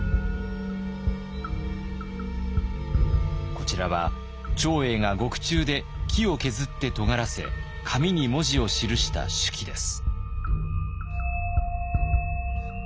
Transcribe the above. こちらは長英が獄中で木を削ってとがらせ紙に文字を記した手記です。